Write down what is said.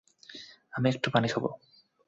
আমি একটু পানি খাবো।